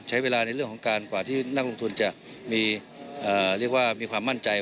ใช้เวลาในเรื่องของการกว่าที่นักลงทุนจะมีเรียกว่ามีความมั่นใจ